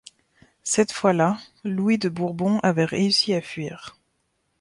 Cette fois-là, Louis de Bourbon avait réussi à fuir.